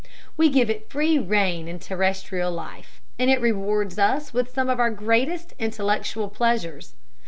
We give it free rein in terrestrial life, and it rewards us with some of our greatest intellectual pleasures.